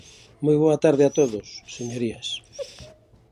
Moi boa tarde a todos, señorías.